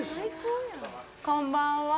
こんばんは。